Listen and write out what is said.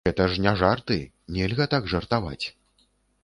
Гэта ж не жарты, нельга так жартаваць.